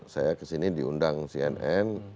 saya ke sini diundang cnn